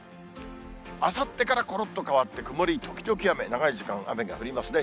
あさってからころっと変わって曇り時々雨、長い時間、雨が降りますね。